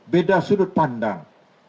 beda sudut pandang